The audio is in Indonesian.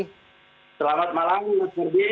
selamat malam mas ferdi